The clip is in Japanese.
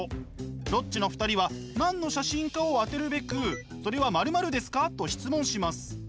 ロッチの２人は何の写真かを当てるべくそれは〇〇ですか？と質問します。